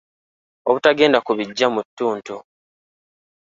Obutagenda ku biggya mu ttuntu.